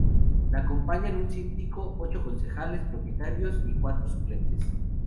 Le acompañan un síndico, ocho concejales propietarios y cuatro suplentes.